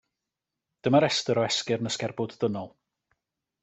Dyma restr o esgyrn y sgerbwd dynol.